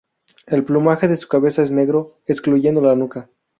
El plumaje de su cabeza es negro excluyendo la nuca.